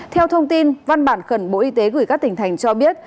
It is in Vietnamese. theo thông tin văn bản khẩn bộ y tế gửi các tỉnh thành cho biết